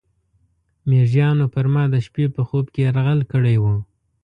میږیانو پر ما د شپې په خوب کې یرغل کړی و.